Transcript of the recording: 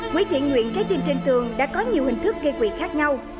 quỹ trị nguyện trái tim trên tường đã có nhiều hình thức gây quỷ khác nhau